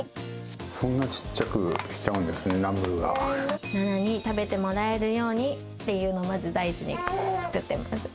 そんな小っちゃくしちゃうんななに食べてもらえるようにっていうのを、まず第一に作ってます。